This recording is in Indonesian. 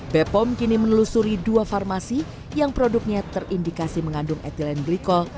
bepom kini menelusuri dua farmasi yang produknya terindikasi mengandung etilen glikol